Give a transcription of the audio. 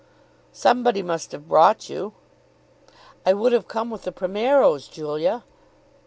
"Somebody must have brought you." "I would have come with the Primeros, Julia."